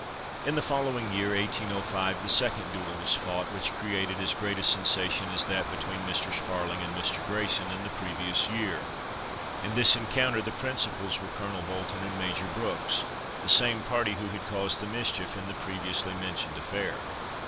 In the following year, 1805, the second duel was fought, which created as great a sensation as that between Mr. Sparling and Mr. Grayson, in the previous year. In this encounter the principals were Colonel Bolton and Major Brooks, the same party who had caused the mischief in the previously mentioned affair.